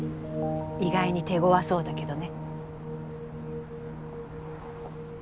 意外に手強そうだけどね。